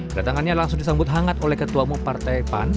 kedatangannya langsung disambut hangat oleh ketua umum partai pan